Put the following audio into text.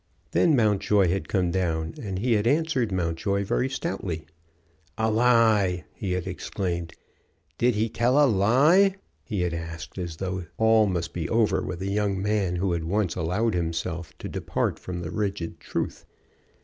Then Mountjoy had come down, and he had answered Mountjoy very stoutly: "A lie!" he had exclaimed. "Did he tell a lie?" he had asked, as though all must be over with a young man who had once allowed himself to depart from the rigid truth.